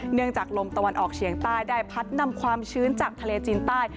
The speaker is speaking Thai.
ลมจากลมตะวันออกเฉียงใต้ได้พัดนำความชื้นจากทะเลจีนใต้